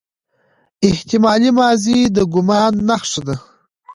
احتمالي ماضي د ګومان نخښه ده.